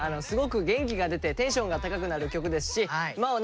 すごく元気が出てテンションが高くなる曲ですしま